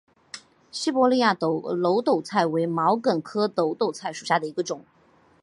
西伯利亚耧斗菜为毛茛科耧斗菜属下的一个种。